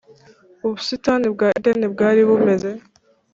ubusitani bwa edeni bwari bumeze